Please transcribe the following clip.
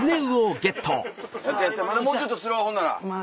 もうちょっと釣ろうほんなら。